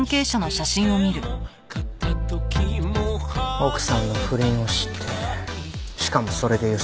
奥さんの不倫を知ってしかもそれでゆすられて。